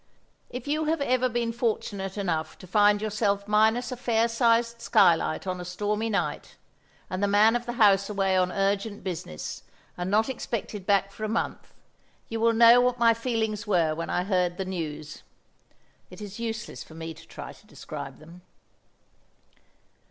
If you have ever been fortunate enough to find yourself minus a fair sized skylight on a stormy night, and the man of the house away on urgent business, and not expected back for a month, you will know what my feelings were when I heard the news. It is useless for me to try to describe them.